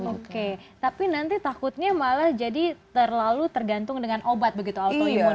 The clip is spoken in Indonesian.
oke tapi nanti takutnya malah jadi terlalu tergantung dengan obat begitu autoimun